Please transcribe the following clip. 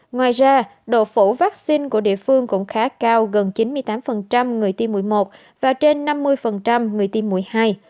ngoài ra độ phủ vaccine của địa phương cũng khá cao gần chín mươi tám người tiêm mũi một và trên năm mươi người tiêm mũi hai